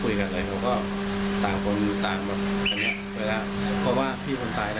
อย่างเงียบอย่างเงียบอย่างเงียบอย่างเงียบอย่างเงียบ